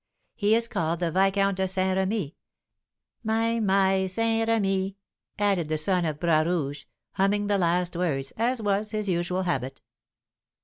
He is called the Viscount de St. Remy, my my St. Remy," added the son of Bras Rouge, humming the last words, as was his usual habit.